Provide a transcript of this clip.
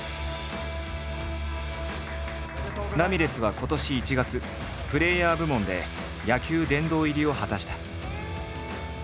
ラミレスは今年１月プレーヤー部門で野球殿堂入りを果たした。